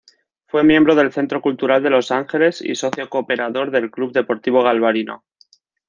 Fue miembro del Centro Cultural de Los Ángeles y socio-cooperador del Club Deportivo Galvarino.